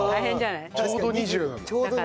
ちょうど２０なんだ。